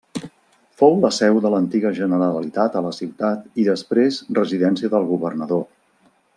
Fou la seu de l'antiga Generalitat a la ciutat i després residència del governador.